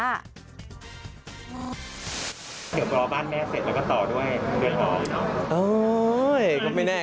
เดี๋ยวรอบ้านแม่เสร็จแล้วก็ต่อด้วย